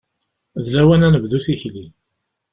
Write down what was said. D lawan ad nebdu tikli.